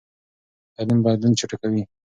تعلیم بدلون چټکوي.